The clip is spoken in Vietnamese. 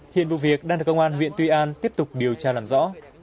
hiện vụ việc đang được công an huyện tuy an tiếp tục điều tra làm rõ